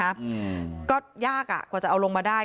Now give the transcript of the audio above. ไปฆ่าก็ยากกว่าจะเอาลงมาได้